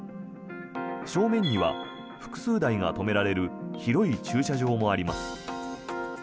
正面には複数台が止められる広い駐車場もあります。